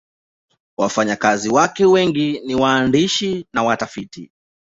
Wafanyakazi wake wengi ni waandishi na watafiti.